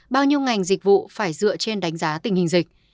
bao nhiêu ngành dịch vụ phải dựa trên đánh giá tình hình dịch